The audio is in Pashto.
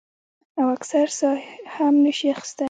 او اکثر ساه هم نشي اخستے ـ